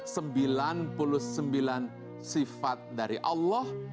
sembilan puluh sembilan sifat dari allah